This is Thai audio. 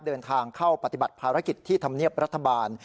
เดินทางเข้าปฏิบัติภารกิจที่ธรรมเนียบรัฐบาล